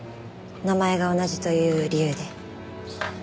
名前が同じという理由で。